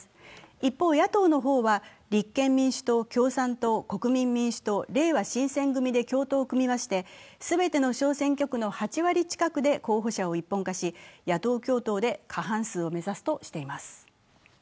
一方、野党の方は立憲民主党、共産党、国民民主党、れいわ新撰組で共党を組みまして、全ての選挙区の８割近くで候補者を一本化し野党共闘で過半数を目指すとしています。